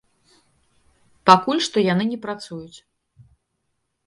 Пакуль што яны не працуюць.